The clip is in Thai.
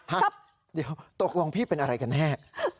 ตรวจกรรมพี่เป็นอะไรกันแน่